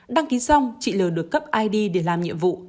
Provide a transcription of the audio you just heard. đăng ký xong chị l được cấp id để làm nhiệm vụ